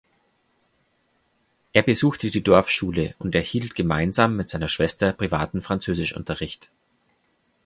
Er besuchte die Dorfschule und erhielt gemeinsam mit seiner Schwester privaten Französischunterricht.